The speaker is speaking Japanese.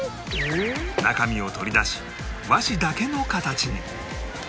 中身を取り出し和紙だけの形に